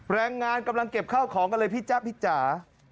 แรงงานกำลังเก็บข้าวของกันเลยพี่จ๊ะพี่จ๋า